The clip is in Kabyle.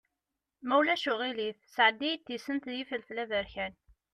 Ma ulac aɣilif sɛeddi-yi-d tisent d yifelfel aberkan.